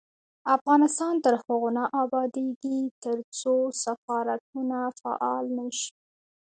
افغانستان تر هغو نه ابادیږي، ترڅو سفارتونه فعال نشي.